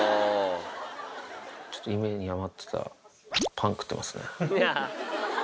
ちょっと家に余ってたパン食ってますね。